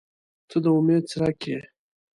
• ته د امید څرک یې.